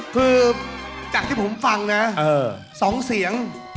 คือจากที่ผมฟังนะ๒เสียง